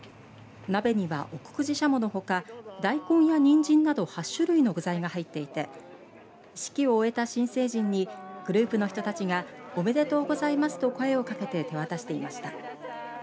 鍋には、奥久慈しゃものほか大根やにんじんなど８種類の具材が入っていて式を終えた新成人にグループの人たちがおめでとうございますと声をかけて手渡していきました。